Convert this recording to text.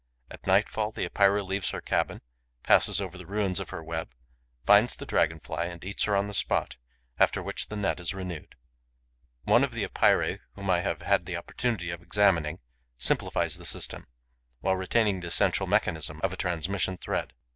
At nightfall, the Epeira leaves her cabin, passes over the ruins of her web, finds the Dragon fly and eats her on the spot, after which the net is renewed. One of the Epeirae whom I have had the opportunity of examining simplifies the system, while retaining the essential mechanism of a transmission thread.